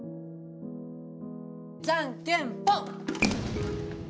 じゃんけんぽん！